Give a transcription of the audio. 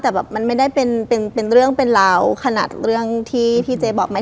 แต่แบบมันไม่ได้เป็นเรื่องเป็นราวขนาดเรื่องที่พี่เจบอกไหม